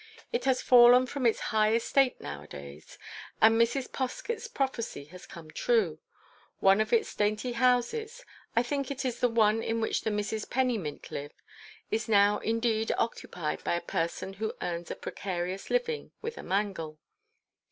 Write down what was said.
It has fallen from its high estate nowadays; and Mrs. Poskett's prophecy has come true: one of its dainty houses—I think it is the one in which the Misses Pennymint lived—is now indeed occupied by a person who earns a precarious living with a mangle.